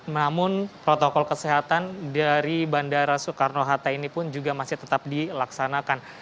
namun protokol kesehatan dari bandara soekarno hatta ini pun juga masih tetap dilaksanakan